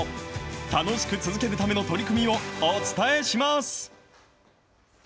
楽しく続けるための取り組みをお伝えします。